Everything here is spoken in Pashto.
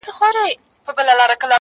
شېرينې ستا د مينې زور ته احترام کومه~